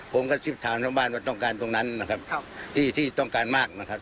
ผมก็ชิดถามทั้งบ้านว่าต้องการตรงนั้นนะครับครับที่ที่ต้องการมากนะครับ